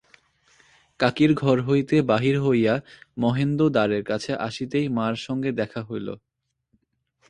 কাকীর ঘর হইতে বাহির হইয়া মহেন্দ দ্বারের কাছে আসিতেই মার সঙ্গে দেখা হইল।